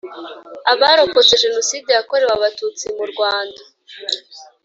abarokotse Jenoside yakorewe Abatutsi murwanda